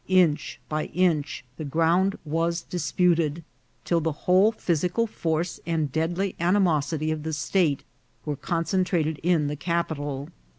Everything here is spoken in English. Inch by inch the ground was disputed, till the whole physical force and deadly animosity of the state were concentrated in the capital.